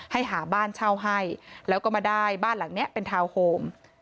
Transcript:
ให้หาบ้านเช่าให้แล้วก็มาได้บ้านหลังนี้เป็นทาวน์โฮม